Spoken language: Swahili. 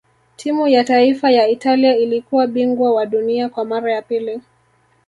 timu ya taifa ya italia ilikuwa bingwa wa dunia kwa mara ya pili